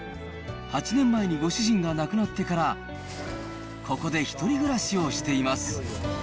８年前にご主人が亡くなってから、ここでひとり暮らしをしています。